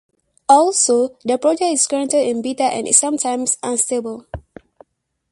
Also, the project is currently in beta and is sometimes unstable.